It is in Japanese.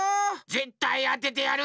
ぜったいあててやる！